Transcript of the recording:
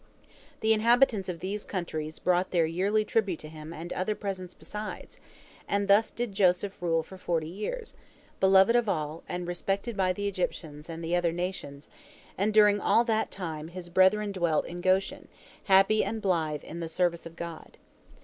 The inhabitants of these countries brought their yearly tribute to him and other presents besides, and thus did Joseph rule for forty years, beloved of all, and respected by the Egyptians and the other nations, and during all that time his brethren dwelt in Goshen, happy and blithe in the service of God.